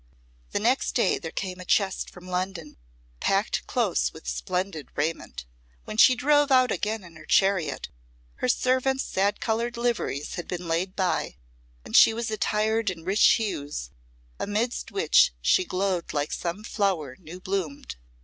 The next day there came a chest from London, packed close with splendid raiment; when she drove out again in her chariot her servants' sad coloured liveries had been laid by, and she was attired in rich hues, amidst which she glowed like some flower new bloomed.